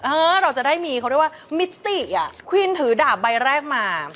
เออเราจะได้มีเขาเรียกว่ามิติอ่ะควีนถือดาบใบแรกมา